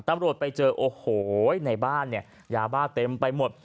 ตำรวจไปเจอโอ้โหในบ้านเนี่ยยาบ้าเต็มไปหมด